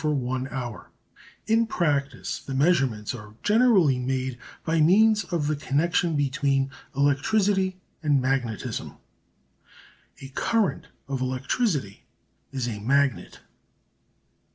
24] In practice the measurements are generally made by means of the connection between electricity and magnetism. A current of electricity is a magnet.